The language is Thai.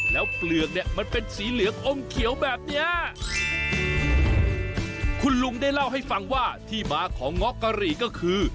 แล้วเปลือกเนี่ยมันเป็นสีเหลืองอมเขียวแบบเนี้ยคุณลุงได้เล่าให้ฟังว่าที่มาของเงาะกะหรี่ก็คือ